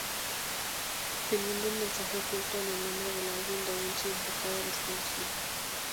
Teniendo un mensaje oculto en el nombre del álbum de un significado desconocido.